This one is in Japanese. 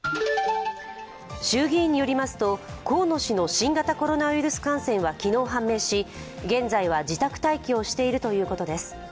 衆議院によりますと河野氏の新型コロナウイルス感染は昨日判明し現在は自宅待機をしているということです。